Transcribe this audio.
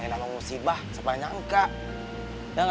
enak ngusibah sepanjangnya enggak